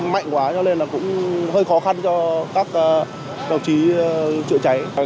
mạnh quá cho nên là cũng hơi khó khăn cho các đồng chí chữa cháy